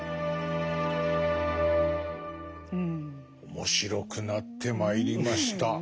面白くなってまいりました。